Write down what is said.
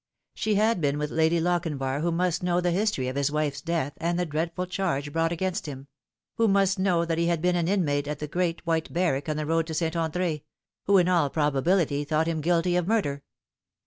She had been with Lady Lochinvar, who must know the history of his wife's death and the dreadful charge brought against him ; who must know that he had been an inmate of the great white barrack on the road to St. Andr6 ; who in all probability thought him guilty of murder.